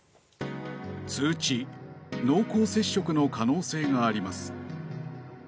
通知濃厚接触の可能性があります。